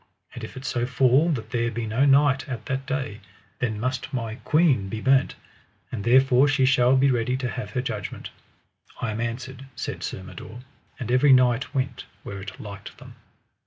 And if it so fall that there be no knight at that day, then must my queen be burnt, and there she shall be ready to have her judgment. I am answered, said Sir Mador. And every knight went where it liked them.